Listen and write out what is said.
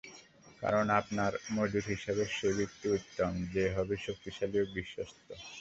কারণ, আপনার মজুর হিসেবে সে ব্যক্তিই উত্তম হবে যে হবে শক্তিশালী ও বিশ্বস্ত।